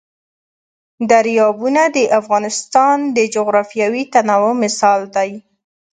دریابونه د افغانستان د جغرافیوي تنوع مثال دی.